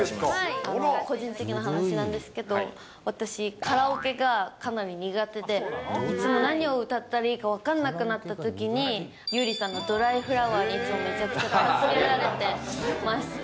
個人的な話なんですけど、私、カラオケがかなり苦手で、いつも何を歌ったらいいか分かんなくなったときに、優里さんのドライフラワーにいつもめちゃくちゃに助けられてます。